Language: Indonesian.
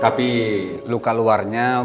tapi luka luarnya